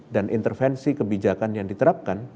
dan intervensi kebijakan yang diterapkan